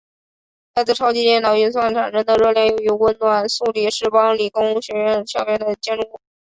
来自超级电脑运算产生的热量用于温暖苏黎世联邦理工学院校园的建筑物。